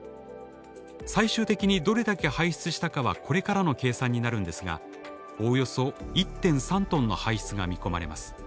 最終的にどれだけ排出したかはこれからの計算になるんですがおおよそ１．３トンの排出が見込まれます。